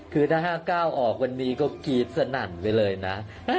คือถ้า๕๙ออกวันนี้ก็กรี๊ดสนั่นไปเลยนะ